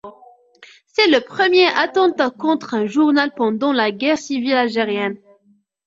C'est le premier attentat contre un journal pendant la guerre civile algérienne.